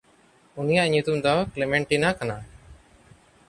ᱩᱱᱤᱭᱟᱜ ᱧᱩᱛᱩᱢ ᱫᱚ ᱠᱞᱮᱢᱮᱱᱴᱭᱤᱱᱟ ᱠᱟᱱᱟ᱾